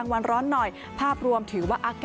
สวัสดีค่ะพบกับช่วงนี้สวัสดีค่ะ